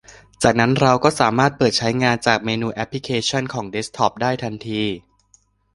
จากนั้นเราก็สามารถเปิดใช้งานจากเมนูแอปพลิเคชันของเดสก์ท็อปได้ทันที